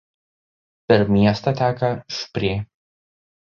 Per miestą teka Šprė.